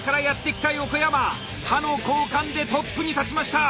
刃の交換でトップに立ちました！